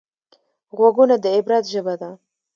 غوږونه د عبرت ژبه ده